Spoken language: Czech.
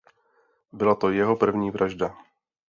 Byla to jeho první vražda.